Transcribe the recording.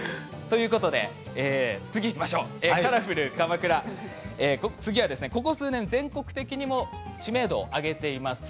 次いきましょうカラフル鎌倉、ここ数年全国的にも知名度を上げています